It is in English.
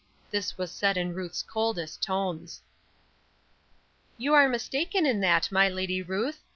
This was said in Ruth's coldest tones. "You are mistaken in that, my lady Ruth.